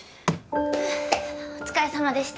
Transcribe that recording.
ふうお疲れさまでした。